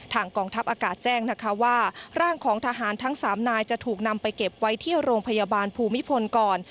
กองทัพอากาศแจ้งนะคะว่าร่างของทหารทั้ง๓นายจะถูกนำไปเก็บไว้ที่โรงพยาบาลภูมิพลก่อน